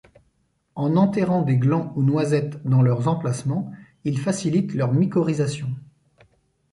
En enterrant des glands ou noisettes dans leurs emplacements, il facilite leurs mycorhyzation.